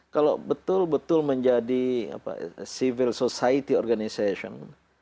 kalau betul betul menjadi civil society organization